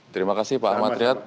terima kasih pak ahmad riyad